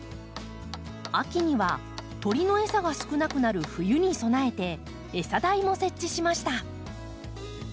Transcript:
秋には鳥のエサが少なくなる冬に備えてエサ台も設置しました。